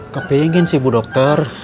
gak pengen sih bu dokter